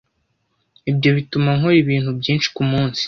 Ibyo bituma nkora ibintu byinshi ku munsi.